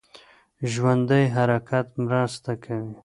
ژوندی حرکت مرسته کوي.